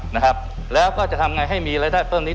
นะครับแล้วก็จะทำไงให้มีรายได้เพิ่มนี้